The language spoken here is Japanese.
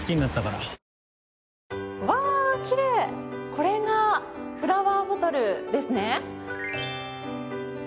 これがフラワーボトルですね。